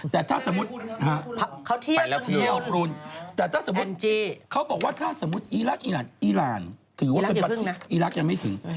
แต่ถ้าสมมติอีรานคือประเทศ